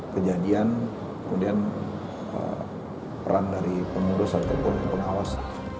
kejadian kemudian perang dari pemurus ataupun penawas